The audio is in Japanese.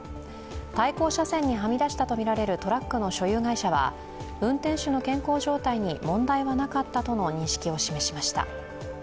対向車線にはみ出したとみられるトラックの所有会社は運転手の健康状態に問題はなかったとの認識を示しました。